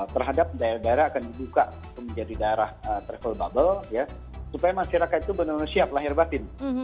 terhadap daerah daerah akan dibuka untuk menjadi daerah travel bubble supaya masyarakat itu benar benar siap lahir batin